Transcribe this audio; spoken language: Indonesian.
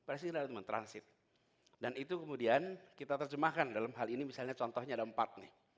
di sini ada teman transit dan itu kemudian kita terjemahkan dalam hal ini misalnya contohnya ada empat